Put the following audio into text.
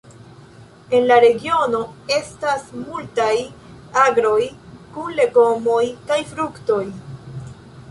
En la regiono estas multaj agroj kun legomoj kaj fruktoj.